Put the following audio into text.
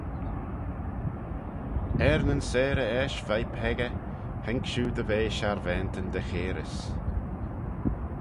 Er nyn seyrey eisht veih peccah, haink shiu dy ve sharvaantyn dy chairys.